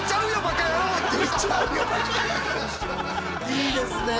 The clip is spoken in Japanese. いいですね。